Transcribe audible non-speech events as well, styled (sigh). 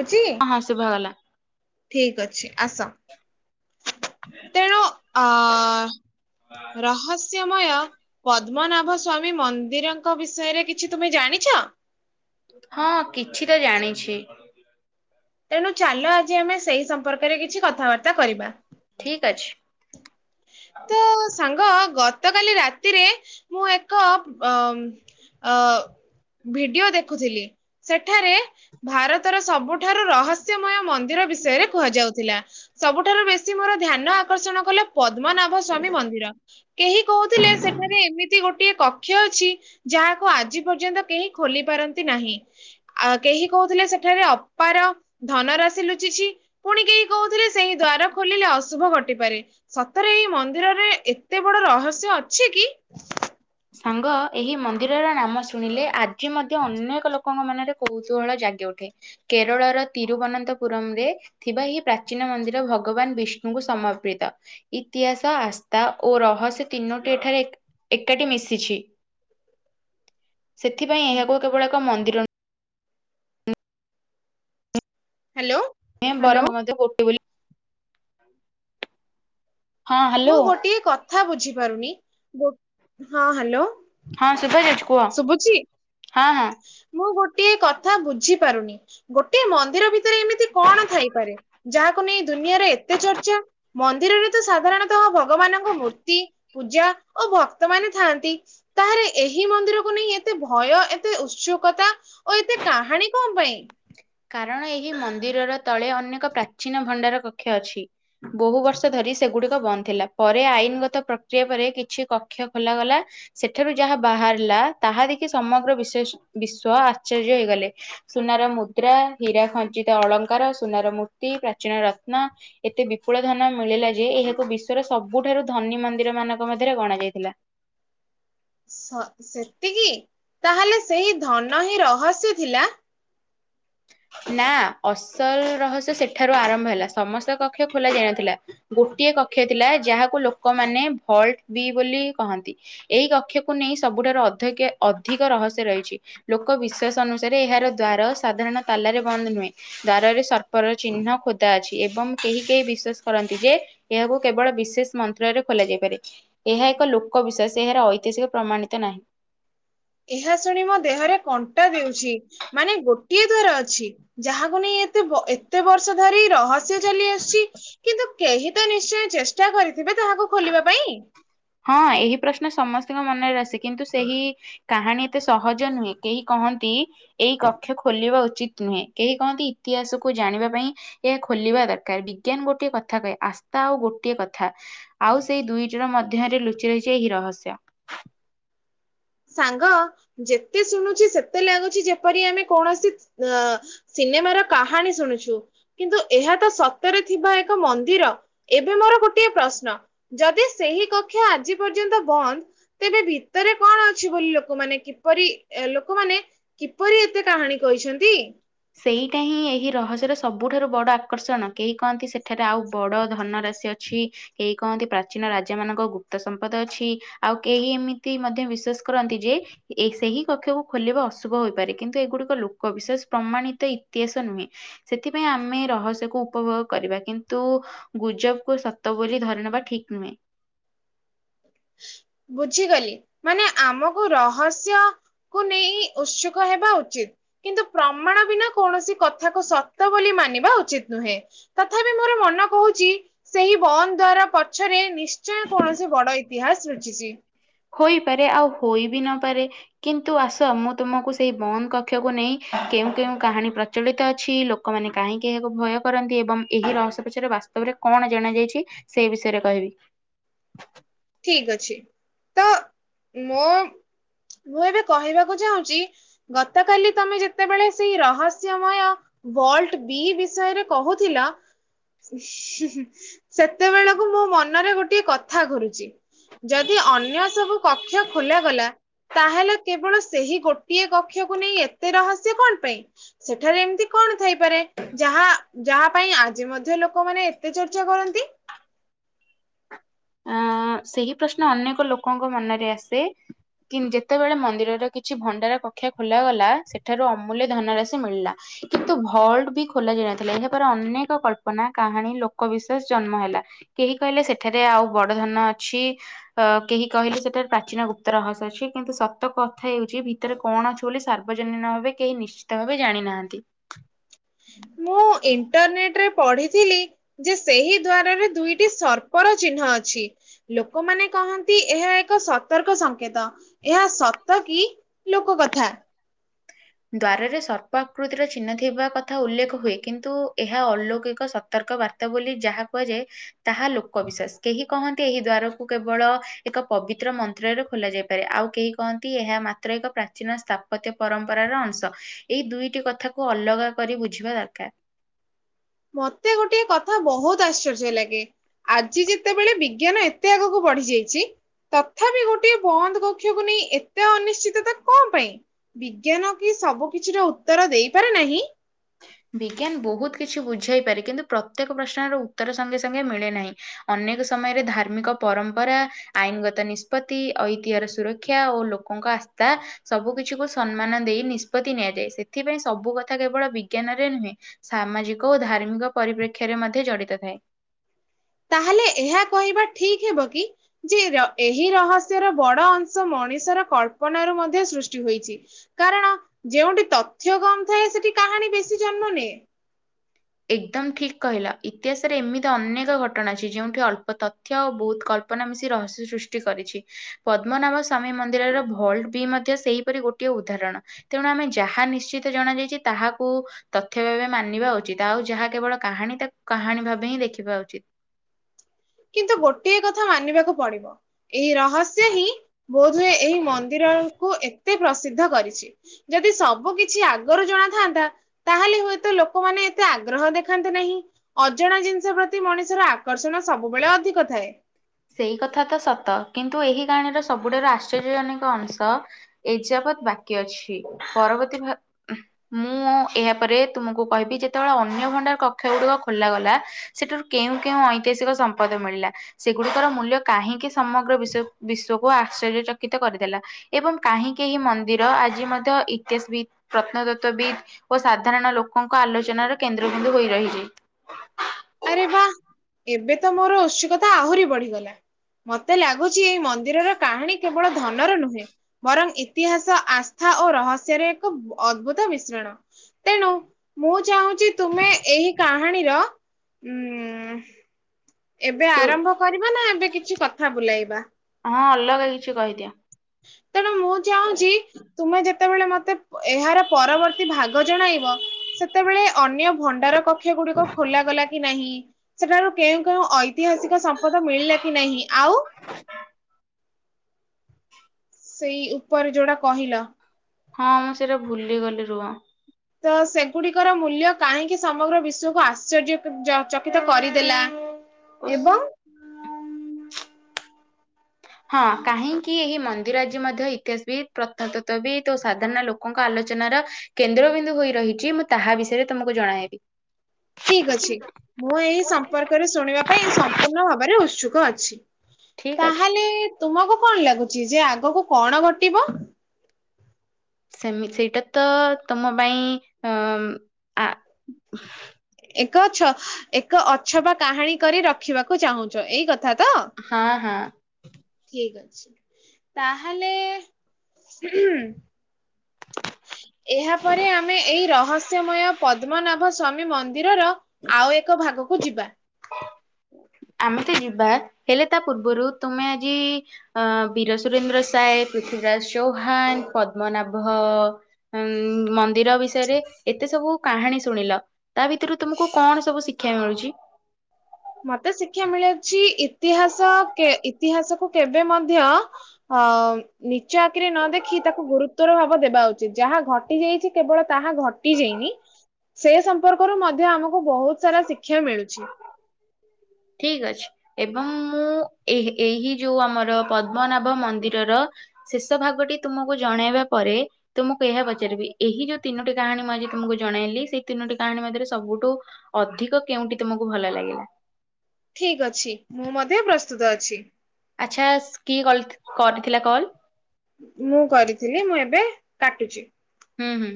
ଅଛି ହଁ ହଁ ଶୁଭାଗଲା ଠିକ୍ ଅଛି ଆସ। ତେଣୁ ଆ ରହସ୍ୟମୟ ପଦ୍ମନାଭ ସ୍ଵାମୀ ମନ୍ଦିରଙ୍କ ବିଷୟରେ କିଛି ତୁମେ ଜାଣିଛ? ହଁ କିଛିଟା ଜାଣିଛି। ତେଣୁ ଚାଲ ଆଜି ଆମେ ସେଇ ସମ୍ପର୍କରେ କିଛି କଥାବାର୍ତ୍ତା କରିବା। ଠିକ୍ ଅଛି। ତ ସାଙ୍ଗ ଗତକାଲି ରାତିରେ ମୁଁ ଏକ ଅ ଅ ଭିଡିଓ ଦେଖୁଥିଲି ସେଠାରେ ଭାରତର ସବୁଠାରୁ ରହସ୍ୟମୟ ମ ମନ୍ଦିର ବିଷୟରେ କୁହାଯାଉଥିଲା ସବୁଠାରୁ ବେଶୀ ମୋର ଧ୍ୟାନ ଆକର୍ଷଣ କଲେ ପଦ୍ମନାଭ ସ୍ଵାମୀ ମନ୍ଦିର କେହି କହୁଥିଲେ ସେଠାରେ ଏମିତି ଗୋଟିଏ କକ୍ଷ ଅଛି ଯା ଯାହାକୁ ଆଜି ପର୍ଯ୍ୟନ୍ତ କେହି ଖୋଲି ପାରନ୍ତି ନାହିଁ ଆ କେହି କହୁଥିଲେ ସେଠାରେ ଅପାର ଧନ ରାଶି ଲୁଚିଛି ପୁଣି କେହି କହୁଥିଲେ ସେହି ଦ୍ୱାର ଖୋଲିଲେ ଅଶୁଭ ଘଟି ପାରେ। ସତରେ ଏଇ ମନ୍ଦିରରେ ଏତେ ବଡ ରହସ୍ୟ ଅଛି କି? ସାଙ୍ଗ ଏହି ମନ୍ଦିରର ନାମ ଶୁଣିଲେ ଆଜି ମଧ୍ୟ ଅନେକ ଲୋକଙ୍କ ମନରେ କୌତୁହଳ ଜା ଜାଗି ଉଠେ କେରଳର ତିରୁବନନ୍ତପୁରମ୍ ରେ ଥିବା ଏହି ପ୍ରାଚୀନ ମନ୍ଦିର ଭଗବାନ ବିଷ୍ଣୁ ଙ୍କୁ ସମର୍ପିତ ଇତିହାସ ଆସ୍ଥା ଓ ରହସ୍ୟ ତିନୋଟି ଏଠାରେ ଏ ଏ ଏକାଠି ମିଶିଛି ସେଥିପାଇଁ ଏହାକୁ କେବଳ ଏକ ମନ୍ଦିର ନୁ ହ୍ୟାଲୋ ସ୍ୱୟମଂ ହ୍ୟାଲୋ ବରଂ ମଧ୍ୟ ଗୋଟେ ବୋଲି ହଁ ମୁଁ ହ୍ୟାଲୋ ଗୋଟିଏ କଥା ବୁଝି ପାରୁନି ଗୋ ହଁ ହାଲୋ। ହଁ ସୁଭା ଯାଉଛି କୁହ ହଁ ହଁ। ମୁଁ ଗୋଟିଏ କଥା ବୁଝି ପାରୁନି ଗୋଟିଏ ମନ୍ଦିର ଭିତରେ ଏମିତି କଣ ଥାଇପାରେ ଯାହାକୁ କୁ ନେଇ ଦୁନିଆରେ ଏତେ ଚର୍ଚ୍ଚା ମନ୍ଦିରରେ ତ ସାଧାରଣତଃ ଭଗବାନଙ୍କ ମୂର୍ତ୍ତି ପୂଜା ଓ ଭକ୍ତ ମାନେ ଥାଆନ୍ତି ତାହେଲେ ଏହି ମନ୍ଦିରକୁ ନେଇ ଏତେ ଭୟ ଏ ଏତେ ଉତ୍ସକତା ଓ ଏତେ କାହାଣୀ କଣ ପାଇଁ? କାରଣ ଏହି ମନ୍ଦିରର ତଳେ ଅନେକ ପ୍ରାଚୀନ ଭଣ୍ଡାର କକ୍ଷ ଅଛି ବହୁ ବର୍ଷ ଧରି ସେଗୁ ସେଗୁଡିକ ବନ୍ଦ ଥିଲା ପରେ ଆଇନଗତ ପ୍ରକ୍ରିୟା ପରେ କିଛି କକ୍ଷ ଖୋଲ ଗଲା ସେଠାରୁ ଯାହା ବାହାରି ଲା ତାହା ଦେଖି ସମଗ୍ର ବିଶେଷ ବିଶ୍ୱ ଆଶ୍ଚର୍ଯ୍ୟ ହେଇଗଲେ ସୁନାର ମୁ ଦ୍ରା ହୀରା ଖଞ୍ଚିତ ଅଳଙ୍କାର ସୁନାର ମୂର୍ତ୍ତି ପ୍ରାଚୀନ ରତ୍ନ ଏତେ ବିପୁଳ ଧନ ମିଳି ଥିଲା ଯେ ଏହାକୁ ବିଶ୍ୱର ସବୁଠାରୁ ଧନୀ ମନ୍ଦିରମାନଙ୍କ ମଧ୍ୟରେ ଗଣାଯାଇଥିଲା। ସ ସେତିକି ତାହେଲେ ସେହି ଧନ ହିଁ ରହସ୍ୟ ଥିଲା? ହଁ। ନାଁ ଅସଲ ରହସ୍ୟ ସେଠାରୁ ଆରମ୍ଭ ହେଲା ସମସ୍ତ କକ୍ଷ ଖୋଲା ଯାଇନଥିଲା ଗୋଟିଏ କ କକ୍ଷ ଥିଲା ଯାହାକୁ ଲୋକମାନେ ଭଲଟ୍ ବି ବୋଲି କହନ୍ତି ଏହି କକ୍ଷକୁ ନେଇ ସବୁଠାରୁ ଅ ଅଧେକେ ଅଧିକ ରହସ୍ୟ ରହିଛି ଲୋକ ବିଶ୍ୱାସ ଅନୁସାରେ ଏହାର ଦ୍ଵାର ସା ସାଧାରଣ ତାଲାରେ ବନ୍ଦ ନୁହେଁ ଦ୍ୱାରରେ ସର୍ପର ଚିହ୍ନ ଖୋଦା ଅଛି ଏବଂ କେହି କେହି ବିଶ୍ୱାସ କର ନ୍ତି ଯେ ଏହାକୁ କେବଳ ବିଶେଷ୍ ମନ୍ତ୍ରରେ ଖୋଲା ଯାଇପାରେ ଏହା ଏକ ଲୋକ ବିଶେଷ୍ ଏହାର ଐତିହାସିକ ପ୍ରମାଣିତ ନାହିଁ। ଏହା ଶୁଣି ମୋ ଦେହରେ କଣ୍ଟା ଦେଉଛି ମାନେ ଗୋଟିଏ ଦଵାର ଅଛି ଯାହାକୁ ନେଇ ଏ ଏତେ ବର୍ଷ ଧରି ରହସ୍ୟ ଚାଲି ଆସୁଛି କିନ୍ତୁ କେହି ତ ନିଶ୍ଚୟ ଚେଷ୍ଟା କରିଥିବେ ତାହାକୁ ଖୋଲିବା ପାଇଁ। ହଁ ଏହି ପ୍ରଶ୍ନ ସମସ୍ତଙ୍କ ମନରେ ଆସି କିନ୍ତୁ ସେହି କାହାଣୀ ଏତେ ସହଜ ନୁହେଁ କେହି କଣ କହନ୍ତି ଏଇ କକ୍ଷ ଖୋଲିବା ଉଚିତ ନୁହେଁ କେହି କହନ୍ତି ଇତିହାସକୁ ଜାଣିବା ପାଇଁ ଏହା ଖ ଖୋଲିବା ଦରକାର ବିଜ୍ଞାନ ଗୋଟିଏ କଥା କହେ ଆସ୍ଥା ଆଉ ଗୋଟିଏ କଥା ଆଉ ସେଇ ଦୁଇଟିର ମ ମଧ୍ୟରେ ଲୁଚି ରହିଚି ଏହି ରହସ୍ୟ। ସାଙ୍ଗ ଯେତେ ଶୁଣୁଚି ସେତେ ଲାଗୁଚି ଯେପରି ଆମେ କୌଣସି ଅ ସେ ସିନେମାର କାହାଣୀ ଶୁଣୁଛୁ କିନ୍ତୁ ଏହା ତ ସତରେ ଥିବା ଏକ ମନ୍ଦିର, ଏବେ ମୋର ଗୋଟିଏ ପ୍ରଶ୍ନ ଯଦି ସେହି କକ୍ଷ ଆଜି ପର୍ଯ୍ୟନ୍ତ ବନ୍ଦ ତେବେ ଭିତରେ କଣ ଅ ଅଛି ବୋଲି ଲୋକମାନେ କିପରି ଲୋକମାନେ କିପରି ଏତେ କାହାଣୀ କହିଛନ୍ତି। ସେଇଟା ହିଁ ଏହି ରହସ୍ୟର ସବୁଠାରୁ ବଡ ଆକର୍ଷଣ କେହି କହନ୍ତି ସେଠାରେ ଆଉ ବଡ ଧନ ରା ଅଛି କେହି କହନ୍ତି ପ୍ରାଚୀନ ରାଜା ମାନଙ୍କ ଗୁପ୍ତ ସମ୍ପଦ ଅଛି, ଆଉ କେହି ଏମିତି ମଧ୍ୟ ବିଶ୍ୱାସ କରନ୍ତି ଯେ ଏ ସେହି କକ୍ଷକୁ ଖୋଲିବା ଅଶୁଭ ହୋଇପାରେ କିନ୍ତୁ ଏଗୁଡିକ ଲୋକ ବିଶେଷ ପ୍ରମାଣିତ ଇତିହାସ ନୁହେଁ ସେଥିପାଇଁ ଆମେ ରହସ୍ୟକୁ ଉପଭୋଗ କରିବା କିନ୍ତୁ ଗୁଜବକୁ ସତ ବୋଲି ଧରି ନେବା ଠିକ୍ ନୁହେଁ। ବୁଝିଗଲି ମାନେ ଆମକୁ ରହସ୍ୟ କୁ ନେଇ ଉତ୍ସୁକ ହେବା ଉଚିତ, କିନ୍ତୁ ପ୍ରମାଣ ବିନା କୌଣସି କଥାକୁ ସତ ବୋଲି ମାନିବା ଉଚିତ ନୁହେଁ, ତଥାପି ମୋର ମନ କହୁଛି ସେହି ବନ୍ଦ ଦ୍ଵାରା ପଛରେ ନିଶ୍ଚ ନିଶ୍ଚୟ କୌଣସି ବଡ ଇତିହାସ ଅଛି। ହୋଇପାରେ ଆଉ ହୋଇ ବି ନପାରେ କିନ୍ତୁ ଆସ ମୁଁ ତୁମକୁ ସେଇ ବନ୍ଦ କକ୍ଷକୁ ନେଇ କେଉଁ କେଉଁ କାହାଣୀ ପ୍ରଚଳିତ ଅଛି ଲୋକମାନେ କାହିଁକି ଏହାକୁ ଭୟ କରନ୍ତି ଏବଂ ଏହି ରହସ୍ୟପଚର ବାସ୍ତବ। କଣ ଜଣା ଯାଇଛି ସେଇ ବିଷୟରେ କହିବି। ଠିକ ଅଛି ତ ମୋ ମୁଁ ଏବେ କହିବାକୁ ଚାହୁଁଚି, ଗତକାଲି ତମେ ଯେତେବେଳେ ସେଇ ରହସ୍ୟମୟ ଭଲ୍ଟ ବି ବିଷୟରେ କହୁଥିଲ। ସେତେବେଳକୁ ମୋ ମନରେ ଗୋଟିଏ କଥା (unintelligible) ଯଦି ଅନ୍ୟ ସବୁ କକ୍ଷ ଖୋଲ ଗଲା ତାହେଲେ କେବଳ ସେହି ଗୋଟିଏ କକ୍ଷକୁ ନେଇ ଏତେ ରହସ୍ୟ କଣ ପାଇଁ ସେଠାରେ ଏମିତି କଣ କଣ ଥାଇପାରେ ଯାହା ଯାହା ପାଇଁ ଆଜି ମଧ୍ୟ ଲୋକମାନେ ଏତେ ଚର୍ଚ୍ଚା କରନ୍ତି। ହଁ। ସେହି ପ୍ରଶ୍ନ ଅନେକ ଲୋକଙ୍କ ମନରେ ଆସେ। କି ଯେତେବେଳେ ମନ୍ଦିରର କିଛି ଭଣ୍ଡାର କକ୍ଷା ଖୋଲ ଗଲା ସେଠାରୁ ଅମୂଲ୍ୟ ଧନ ରାଶି ମିଳିଲା। କିନ୍ତୁ ଭଲ୍ଟ ବି ଖୋଲା ଯାଇ ନଥିଲା ଏହାପରେ ଅନେକ କଳ୍ପନା କାହାଣୀ ଲୋକ ବିିଶୋସ ଜନ୍ମ ହେଲା। କେହି କହିଲେ ସେଠାରେ ଆଉ ବଡ ଧନ ଛି କେହି କହିଲେ ସେଟାରେ ପ୍ରାଚୀନ ଗୁପ୍ତ ରହସ ଅଛି କିନ୍ତୁ ସତ କଥା ହେଉଛି ଭିତରେ କଣ କଣ ଛ ବୋଲି ସାର୍ବଜନୀନ ଭାବେ କେହି ନିଶ୍ଚିତ ଭାବେ ଜାଣିନାହାନ୍ତି। ମୁଁ ଇଣ୍ଟରନେଟ ରେ ପଢିଥିଲି ଯେ ସେହି ଦ୍ଵାରରେ ଦୁଇଟି ସପ ଚିହ୍ନ ଅଛି ଲୋକମାନେ କହନ୍ତି ଏହା ଏକ ସତର୍କ ସଂକେତ, ଏହା ତ କି ଲୋକ କଥା ଦ୍ଵାରରେ ସର୍ପକୃତିର ଚିହ୍ନ ଥିବା କଥା ଉଲ୍ଲେଖ ହୁଏ, କିନ୍ତୁ ଏହା ଅଲୌକିକ ସତର୍କ ବାର୍ତ୍ତା ବୋଲି ଯାହା କୁହାଯାଏ, ତାହା ଲୋକ ବିଶ୍ୱାସ କେହି କହନ୍ତି ଏହି ଦ୍ୱାରକୁ କେବଳ ଏକ ପବିତ୍ର ମନ୍ତ୍ରରେ ଖୋଲାଯାଇପାରେ ଆଉ କେହି କହନ୍ତି ଏହା ମାତ୍ର ଏକ ପ୍ରାଚୀନ ସ୍ଥାପତ୍ୟ ପରମ୍ କରାର ଅଂଶ ଏହି ଦୁଇଟି କଥାକୁ ଅଲଗା କରି ବୁଝିବା ଦରକାର ମତେ ଗୋଟେ କଥା ବୋହୁତ ଆଶ୍ଚର୍ଯ୍ୟ ଲାଗେ? ଆଜି ଯେତେବେଳେ ବିଜ୍ଞାନ ଏତେ ଆଗକୁ ବଢି ଯାଇଛି ତଥାପି ଗୋଟଏ ବନ୍ଦ କକ୍ଷକୁ ନେଇ ଏତେ ଅନିଶ୍ଚିତତା କଣ ପାଇଁ? ବିଜ୍ଞାନ କି ସବୁ କିଛି ତ ଉତ୍ତର ଦେଇପାରେ ନାହିଁ? ବିଜ୍ଞାନ ବୋହୁତ କିଛି ବୁଝାଇ ପାରେ, କିନ୍ତୁ ପ୍ରତ୍ୟେକ ପ୍ରଶ୍ନର ଉତ୍ତର ସଙ୍ଗେ ସଙ୍ଗେ ମିଳେ ନାହିଁ ଅନେକ ସମୟରେ ଧାର୍ମିକ ପରମ୍ପରା, ଆଇନଗତ ନିଷ୍ପତି, ଐତିହର ସୁରକ୍ଷା ଓ ଲୋକଙ୍କ ଆସ୍ତା ସବୁ କିିଛିକୁ ସମ୍ମାନ ଦେଇ ନିଷ୍ପତ୍ତି ନିଆଯାଏ, ସେଥିପାଇଁ ସବୁ କଥା କେବଳ ବି ଜ୍ଞାନରେ ନୁହେଁ, ସାମାଜିକ ଓ ଧାର୍ମିକ ପରିପ୍ରେକ୍ଷୀରେ ମଧ୍ୟ ଜଡ଼ିତ ଥାଏ। ତାହେଲେ ଏହା କହିବା ଠିକ ହେବ କି? ଯେ ର ଏହି ରହସ୍ୟର ବଡ ଅଂଶ ମ ମଣିଷର କଳ୍ପନାରୁ ମଧ୍ୟ ସୃଷ୍ଟି ହୋଇଛି କାରଣ ଯେଉଁଠି ତଥ୍ୟ କମ୍ ଥାଏ ସେଠି କା କାହାଣୀ ବେଶୀ ଜନ୍ମ ନିଏ। ଏକଦମ ଠିକ କହିଲ ଇତିହାସରେ ଏମିତି ଅନେକ ଘଟଣା ଅଛି ଯୋଉଠି ଅଳ୍ପ ତଥ୍ୟ ଆଉ ବହୁତ କଳ୍ପ ନା ମିଶି ରହସ୍ୟ ସୃଷ୍ଟି କରିଛି ପଦ୍ମନାଭ ସ୍ଵାମୀ ମନ୍ଦିରର ଭଲ୍ଟ ବି ମଧ୍ୟ ସେଇପରି ଗୋଟେ ଉଦାହରଣ ତେଣୁ ଆମେ ଯାହା ନିଶ୍ଚିତ ଜଣା ଯାଇଚି ତାହାକୁ ତଥ୍ୟ ଭାବେ ମାନିବା ଉ ଚିତ ଆଉ ଯାହା କେବଳ କାହାଣୀଟାକୁ କାହାଣୀ ଭାବେ ହିଁ ଦେଖିବା ଉଚିତ। କିନ୍ତୁ ଗୋଟିଏ କଥା ମାନିବାକୁ ପଡିବ, ଏହି ରହସ୍ୟ ହିଁ ବୋଧହୁଏ ଏହି ମନ୍ଦିରକୁ ଏ ପ୍ରସିଦ୍ଧ କରିଛି ଯଦି ସବୁ କିଛି ଆଗରୁ ଜଣାଥାନ୍ତା, ତାହେଲେ ହୁଏତ ଲୋକମାନେ ଏତେ ଆଗ୍ରହ ଦେଖାନ୍ତି ନାହିଁ, ଅଜଣା ଜିନଷ ପ୍ରତି ମଣିଷର ଆକର୍ଷଣ ସବୁବେଳେ ଅଧିକ ଥାଏ। ସେଇ କଥା ତ ସତ, କିନ୍ତୁ ଏହି କାହାଣୀର ସବୁଠାରୁ ଆଶ୍ଚର୍ଯ୍ୟ ଜନକ ଅଂଶ ଏଜପ ବାକି ଅଛି ପରବର୍ତ୍ତୀ ଭା ମୁଁ ଏହାପରେ ତୁମକୁ କହିବି ଯେତେବେଳେ ଅ ଅନ୍ୟ ଭଣ୍ଡାର କକ୍ଷ ଗୁଡିକ ଖୋଲାଗଲା ସେଠାରୁ କେଉଁ କେଉଁ ଐତିହାସିକ ସମ୍ପଦ ମିଳିଲା। ସେଗୁଡ଼ିକର ମୂଲ୍ୟ କାହିଁକି ସମଗ୍ର ବିଶ ବିଶ୍ଵକୁ ଆଶ୍ଚର୍ଯ୍ୟଚକିତ କରିଦେଲା ଏବଂ କାହିଁକି ଏହି ମନ୍ଦିର ଆଜି ମଧ୍ୟ ଇତିହାସ ବିତ୍, ପ୍ରତ୍ନତତ୍ତ୍ୱ ବିତ୍ ଓ ସାଧାରଣ ଲୋକଙ୍କ ଆଲୋଚନା ତାର କେନ୍ଦ୍ରବନ୍ଦୁ ହୋଇ ରହି ଯାଇ ଆରେ ବା ଏବେ ତ ମୋର ଉତ୍ସୁକତା ଆହୁରି ବଢିଗଲା। ମତେ ଲାଗୁଛି ଏଇ ମନ୍ଦିରର କାହାଣୀ କେବଳ ଧନର ନୁହେଁ ବରଂ ଇତିହାସ ଆସ୍ଥା ଓ ରହସ୍ୟରେ ଏକ ଅଦ୍ଭୁତ ମିଶ୍ରଣ ତେଣୁ ମୁଁ ଚାହୁଁଚି ତୁମେ ଏହି (unintelligible) କାହାଣୀର ଉଁ। ଏବେ ତୃ ଆରମ୍ଭ କରିବା ନା ଏବେ କିଛି କଥା ବୁଲାଇବା? ହଁ ଅଲଗା କିଛି କହିଦିଅ ତେଣୁ ମୁଁ ଚାହୁଁଚି ତୁମେ ଯେତେବେଳେ ମତେ ଏହାର ପରବର୍ତ୍ତୀ ଭାଗ ଜଣାଇବ ସେତେବେଳେ ଅନ୍ୟ ଭଣ୍ଡାର କକ୍ଷ ଗୁଡିକ ଖୋଲାଗଲା କି ନାହିଁ, ସେଠାରୁ କେଉଁ କ ଐତିହାସିକ ସମ୍ପଦ ମିଳିଲା କି ନାହିଁ ଆଉ। (inaudible) ସେଇ ଉପରେ ଯୋଉଟା କହିଲ। ହଁ ମୁଁ ସେଇଟା ଭୁଲି ଗଲି ରୁହ। ତ ସେଗୁଡିକର ମୂଲ୍ୟ କାହିଁକି ସମଗ୍ର ବିଶ୍ଵକୁ ଆଶ୍ଚର୍ଯ୍ୟ ଯକ ଚକିତ କରିଦେଲା। ଏବଂ। ହଁ କାହିଁକି ଏହି ମନ୍ଦିର ଆଜି ମଧ୍ୟ ଇତିହାସ ବିତ୍, ପ୍ରତ୍ନତତ୍ତ୍ୱ ବିତ୍ ଓ ସାଧାରଣ ଲୋକଙ୍କ ଆଲୋ ଚନାର କେନ୍ଦ୍ରବିନ୍ଦୁ ହୋଇ ରହିଚି ମୁଁ ତାହା ବିଷୟରେ ତମକୁ ଜଣାଇବି। ଠିକ ଅଛି, ମୁଁ ଏଇ ସମ୍ପର୍କରେ ଶୁଣିବା ପାଇଁ ସମ୍ପୂର୍ଣ୍ଣ ଭାବରେ ଉତ୍ସୁକ ଅଛି। ଠିକ୍ ଅଛି ତାହେଲେ ତୁମକୁ କଣ ଲାଗୁଛି ଯେ ଆଗକୁ କଣ ଘଟିବ? ସେମି ସେଇଟା ତ ତମ ପାଇଁ ଅ ଆ ଏକଛ ଏକ ଅଛବା କାହାଣୀ କରି ରଖିବାକୁ ଚାହୁଁଛ ଏଇ କଥା ତ। ହଁ ହଁ। ଠିକଅଛି ତାହେଲେ ସମୟ ପଦ୍ମନାଭ ସ୍ୱାମୀ ମନ୍ଦିରର ଆଉ ଏକ ଭାଗକୁ ଯିବା। ତେ ଯିବା ହେଲେ ତା ପୂର୍ବରୁ ତୁମେ ଆଜି ଅ ବୀର ସୁରେନ୍ଦ୍ର ସାଏ, ପୃଥୀରାଜ ଚୌହାନ ପଦ୍ମନାଭ ଉମ୍ ମନ୍ଦିର ବିଷୟରେ ଏତେ ସବୁ କା ହାଣୀ ଶୁଣିଲ ତା ଭିତୁରୁ ତୁମକୁ କଣ ସବୁ ଶିକ୍ଷା ମିଳୁଛି? ମତେ ଶିକ୍ଷା ମିଳିଛି ଇତିହାସ କେ ଇତିହାସକୁ କେବେ ମଧ୍ୟ ଅ ନିଚ୍ଚ ଆଖିରେ ନ ଦେଖି ତାକୁ ଗୁରୁତ୍ଵର ଭାବ ଦେବା ଉଚିତ ଯାହା ଘଟି ଯାଇଛି କେବଳ ତାହା ଘଟି ଯାଇନି ସେ ସମ୍ପର୍କରୁ ମଧ୍ୟ ଆମକୁ ବହୁତ ସାରା ଶିକ୍ଷା ମିଳୁଛି। ଠିକ ଅଛି ଏବଂ ମୁଁ ଏହି ଏହି ଯୋଉ ଆମର ପଦ୍ମନାଭ ମନ୍ଦିରର ଶେଷ ଭାଗଟି ତୁମକୁ ଜଣେଇବା ପରେ ତୁମୁକୁ ଏହା ପଚାରିବି, ଏହି ଯୋଉ ତିନୋଟି କାହାଣୀ ମୁଁ ଆଜି ତମକୁ ଜଣେଇଲି। ସେଇ ତିନୋଟି କାହାଣୀ ମଧ୍ୟରେ ସବୁଠୁ ଅଧିକ କେଉଁଠି ତୁମକୁ ଭଲ ଲାଗିଲା? ଠିକ୍ ଅଛି ମୁଁ ମଧ୍ୟ ପ୍ରସ୍ତୁତ ଅଛି। ଆଚ୍ଛା କିଏ କଲ୍ କରିଥିଲା କଲ? ମୁଁ କରିଥିଲି। ମୁଁ ଏବେ କାଟୁଛି। ହୁଁ ହୁଁ।